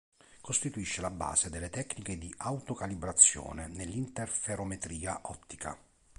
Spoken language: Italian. Costituisce la base delle tecniche di "auto-calibrazione" nell'interferometria ottica.